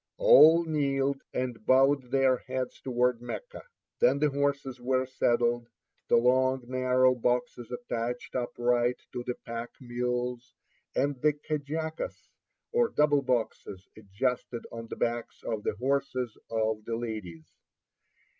All kneeled, and bowed their heads toward Mecca. Then the horses were saddled, the long, narrow boxes attached upright to the pack mules, and the kajacas, or double boxes, adjusted on the backs of the horses of the ladies.